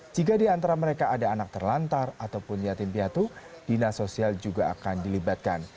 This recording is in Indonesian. jika di antara mereka ada anak terlantar ataupun yatim piatu dinas sosial juga akan dilibatkan